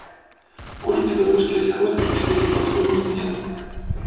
Кожны беларускі асяродак у свеце па-свойму адметны.